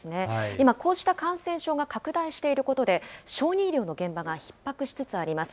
今、こうした感染症が拡大していることで、小児医療の現場がひっ迫しつつあります。